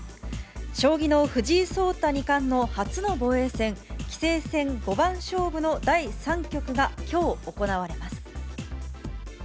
将棋の藤井聡太二冠の初の防衛戦、棋聖戦五番勝負の第３局が、きょう行われます。